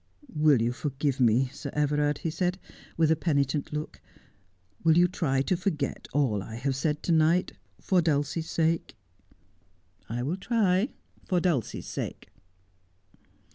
' Will you. forgive me, Sir Everard 1 ' he said, with a penitent look. ' Will you try to forget all I have said to night — for Dulcie's sake ?'' I will try — for Dulcie's sake.'